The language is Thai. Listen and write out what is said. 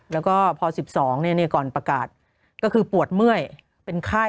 แล้วก็พอ๑๒ก่อนประกาศก็คือปวดเมื่อยเป็นไข้